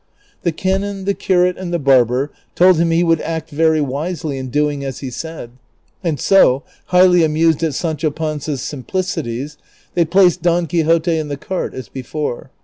The canon, the curate, and the barber told him he would act very wisely in doing as he said ; and so, highly amused at Sancho Panza's simplicities, they placed Don Quixote in the cart as before.